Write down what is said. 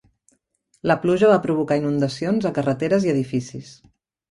La pluja va provocar inundacions a carreteres i edificis.